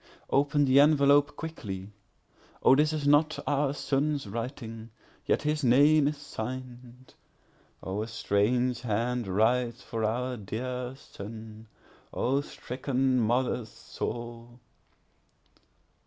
Open the envelope quickly;O this is not our son's writing, yet his name is sign'd;O a strange hand writes for our dear son—O stricken mother's soul!